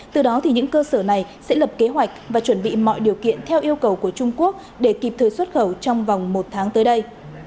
từ đó những cơ sở này sẽ lập kế hoạch và chuẩn bị mọi điều kiện theo yêu cầu của trung quốc để kịp thời xuất khẩu trong vòng một tháng tới đây